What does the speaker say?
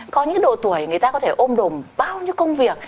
có những độ tuổi người ta có thể ôm đồm bao nhiêu công việc